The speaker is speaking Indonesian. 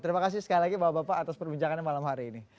terima kasih sekali lagi bapak bapak atas perbincangannya malam hari ini